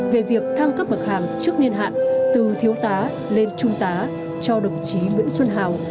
về việc tham cấp mặt hàng trước niên hạn từ thiếu tá lên trung tá cho đồng chí nguyễn xuân hào